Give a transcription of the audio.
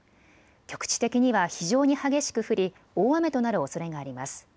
局地的には非常に激しく降り大雨となるおそれがあります。